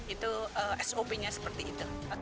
itu sop nya seperti itu